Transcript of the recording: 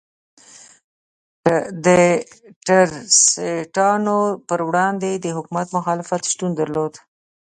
د ټرستانو پر وړاندې د خلکو مخالفت شتون درلود.